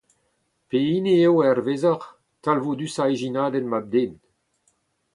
Pehini eo, hervezoc'h, talvoudusañ ijinadenn mab-den ?